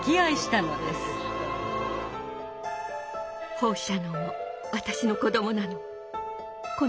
放射能も私の子どもなの。